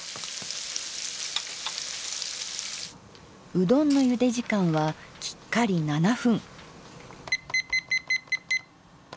うどんのゆで時間はきっかり７分。